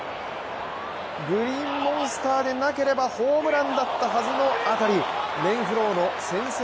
グリーンモンスターでなければホームランだったはずの当たりレンフローの先制